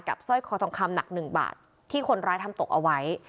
สร้อยคอทองคำหนัก๑บาทที่คนร้ายทำตกเอาไว้